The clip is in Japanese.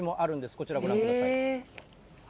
こちらご覧ください。